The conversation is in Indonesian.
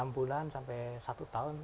enam bulan sampai satu tahun